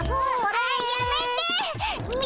あやめて！